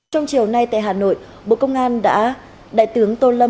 trong chiều nay tại hà nội bộ công an đã đại tướng tô lâm